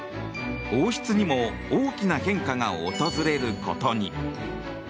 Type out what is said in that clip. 王室にも大きな変化が訪れることに。